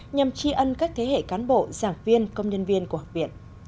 nhằm tri ân các thế hệ cán bộ giảng viên công nhân viên của học viện